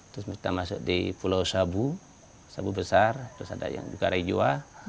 terus kita masuk di pulau sabu sabu besar terus ada yang juga rai jawa